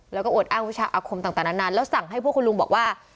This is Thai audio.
แล้วก็อวดอ้างวิชาอาคมต่างนานแล้วสั่งให้พวกคุณลุงบอกว่า